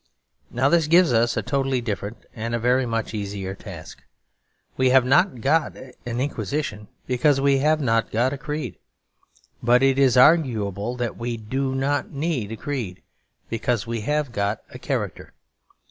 Now this gives us a totally different and a very much easier task. We have not got an inquisition, because we have not got a creed; but it is arguable that we do not need a creed, because we have got a character.